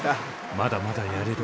まだまだやれる。